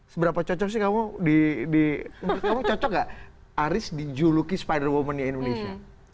seberapa cocok sih kamu di kamu cocok gak aris dijuluki spider woman di indonesia